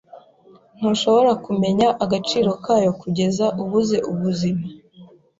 Ntushobora kumenya agaciro kayo kugeza ubuze ubuzima.